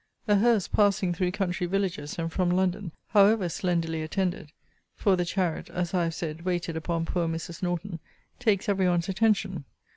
A hearse, passing through country villages, and from London, however slenderly attended, (for the chariot, as I have said, waited upon poor Mrs. Norton,) takes every one's attention.